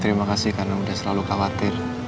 terima kasih karena sudah selalu khawatir